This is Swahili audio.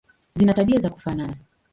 Zina tabia za kufanana.